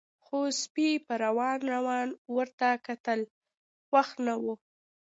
خو سپي په وران وران ورته کتل، خوښ نه و.